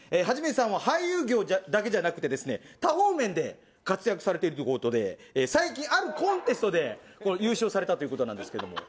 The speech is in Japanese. はじめさんは俳優業じゃだけじゃなくて多方面で活躍されてるという事で最近あるコンテストで優勝されたという事なんですけど。